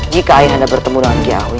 jika ayah anda bertemu dengan kiawi